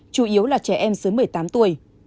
chủ yếu là trẻ em dưới một mươi tám tuổi